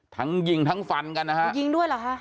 ทั้งยิงทั้งฟันกันนะฮะยิงด้วยเหรอคะ